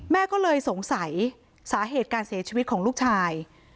แม่ก็เลยสงสัยสาเหตุการเสียชีวิตของลูกชาย